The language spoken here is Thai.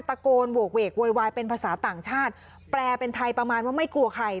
ตะโกนโหกเวกโวยวายเป็นภาษาต่างชาติแปลเป็นไทยประมาณว่าไม่กลัวใคร